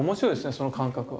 その感覚は。